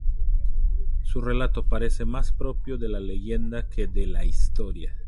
Su relato parece más propio de la leyenda que de la historia.